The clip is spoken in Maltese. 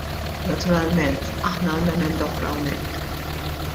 Naturalment aħna għandna emenda oħra hawnhekk.